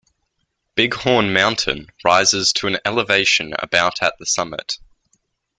Bighorn Mountain rises to an elevation about at the summit.